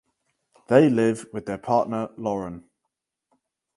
They live with their partner Lauren.